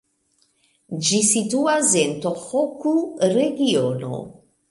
Ĝi situas en Tohoku-regiono.